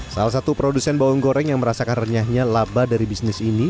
salah satu produsen bawang goreng yang merasakan renyahnya laba dari bisnis ini